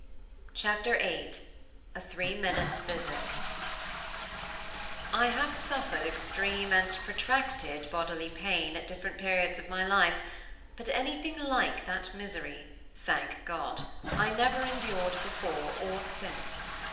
Chapter VIII A THREE MINUTES' VISIT I have suffered extreme and protracted bodily pain, at different periods of my life, but anything like that misery, thank God, I never endured before or since.